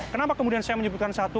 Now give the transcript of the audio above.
kenapa kemudian saya menyebutkan satu